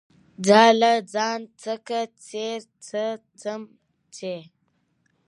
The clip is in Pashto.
ځاله، ځان، ځکه، ځير، ځه، ځم، ځي